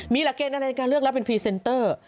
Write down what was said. มีระเกตอะไรในการเลือกแล้วเป็นพรีเซนเตอร์